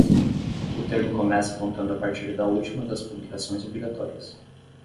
O termo começa contando a partir da última das publicações obrigatórias.